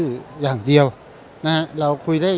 ที่อย่างเดียวเราคุยได้ทุกเรื่อง